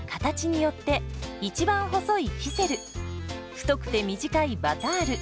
太くて短いバタール。